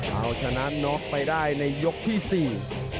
เอาชนะน็อกไปได้ในยกที่สี่